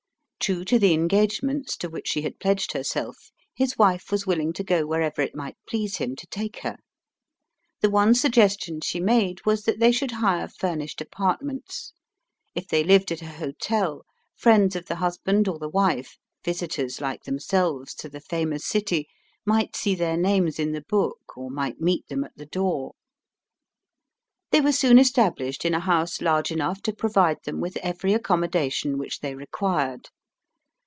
True to the engagements to which she had pledged herself, his wife was willing to go wherever it might please him to take her. The one suggestion she made was that they should hire furnished apartments. If they lived at a hotel friends of the husband or the wife (visitors like themselves to the famous city) might see their names in the book or might meet them at the door. They were soon established in a house large enough to provide them with every accommodation which they required.